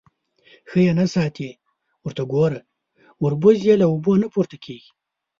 _ښه يې نه ساتې. ورته وګوره، وربوز يې له اوبو نه پورته کېږي.